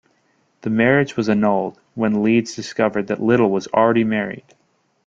The marriage was annulled when Leeds discovered that Little was already married.